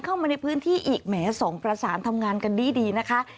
เข้ามาในพื้นที่อีกแหมส่องประสานทำงานกันดีนะคะ